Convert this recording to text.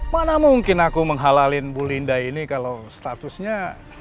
mana mungkin aku menghalalin bu linda ini kalau statusnya